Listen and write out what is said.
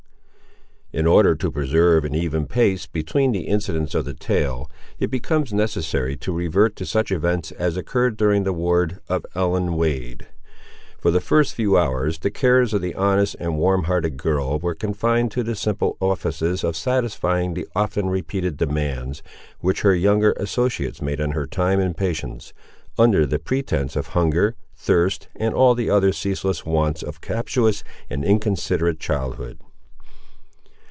In order to preserve an even pace between the incidents of the tale, it becomes necessary to revert to such events as occurred during the ward of Ellen Wade. For the few first hours, the cares of the honest and warm hearted girl were confined to the simple offices of satisfying the often repeated demands which her younger associates made on her time and patience, under the pretences of hunger, thirst, and all the other ceaseless wants of captious and inconsiderate childhood.